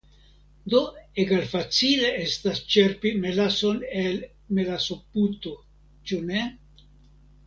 Do egalfacile estas ĉerpi melason el melasoputo, ĉu ne?